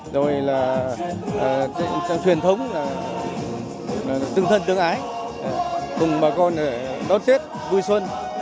rồi là truyền thống là tương thân tương ái cùng bà con đón xét vui xuân